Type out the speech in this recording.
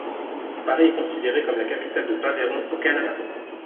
Paris est considéré comme la capitale de pavé rond au Canada.